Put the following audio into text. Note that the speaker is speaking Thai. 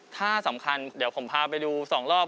ถ้าสำคัญเดี๋ยวผมพาไปดู๒รอบ